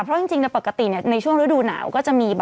เพราะจริงในปกติในช่วงฤดูหนาวก็จะมี